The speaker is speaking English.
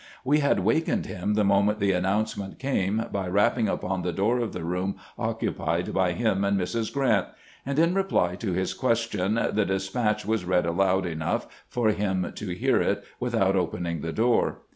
We had wakened him the moment the announcement came by rapping upon the door of the room occupied by him and Mrs. Grrant ; and in reply to his questions the despatch was read loud enough for him to hear it without opening the door.